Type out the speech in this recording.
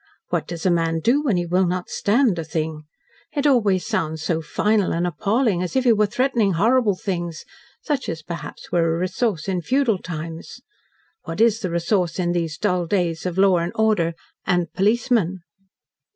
What does a man do when he will not 'stand' a thing? It always sounds so final and appalling as if he were threatening horrible things such as, perhaps, were a resource in feudal times. What IS the resource in these dull days of law and order and policemen?"